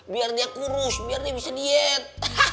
biar dia kurus biar dia bisa diet